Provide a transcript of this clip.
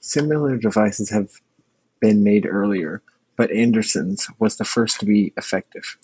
Similar devices had been made earlier, but Anderson's was the first to be effective.